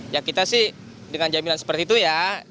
ya kita sih dengan jaminan seperti itu ya